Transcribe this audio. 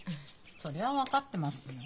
それは分かってますよ。